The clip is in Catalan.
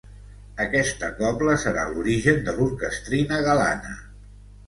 Aquesta Cobla serà l'origen de l'Orquestrina Galana.